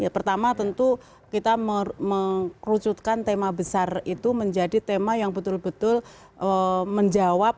pertama tentu kita mengerucutkan tema besar itu menjadi tema yang betul betul menjawab